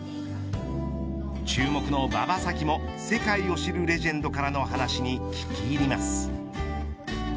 注目の馬場咲希も世界を知るレジェンドからの話に聞き入ります。